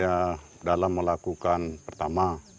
maka kita dalam melakukan pertama